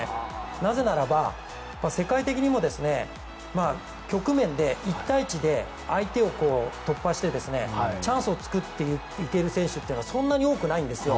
なぜならば、世界的にも局面で１対１で相手を突破してチャンスを作っていける選手っていうのはそんなに多くないんですよ。